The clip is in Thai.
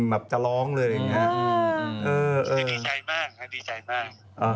ดีใจมากดีใจมาก